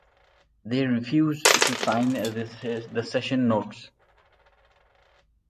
They refused to sign the session notes.